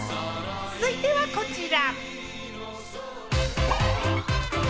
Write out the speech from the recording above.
続いてはこちら。